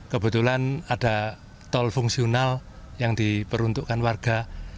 kebetulan ada tol fungsional yang diperuntukkan warga